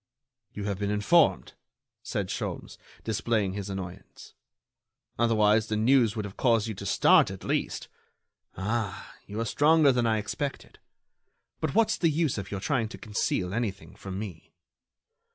"You have been informed," said Sholmes, displaying his annoyance. "Otherwise, the news would have caused you to start, at least. Ah! you are stronger than I expected. But what's the use of your trying to conceal anything from me?"